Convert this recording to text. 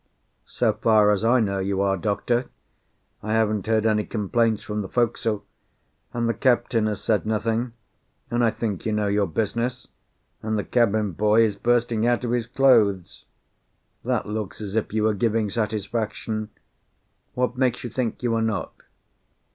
"So far as I know, you are, doctor. I haven't heard any complaints from the forecastle, and the captain has said nothing, and I think you know your business, and the cabin boy is bursting out of his clothes. That looks as if you are giving satisfaction. What makes you think you are not?"